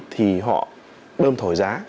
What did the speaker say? thì họ bơm thổi giá